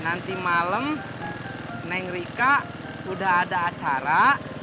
nanti malem neng rika udah ada acara